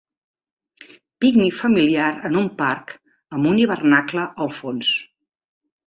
Pícnic familiar en un parc amb un hivernacle al fons.